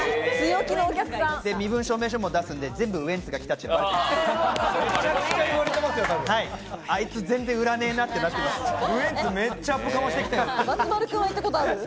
身分証明書も出すんで、全部ウエンツが来たってわかります。